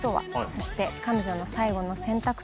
そして彼女の最後の選択とは？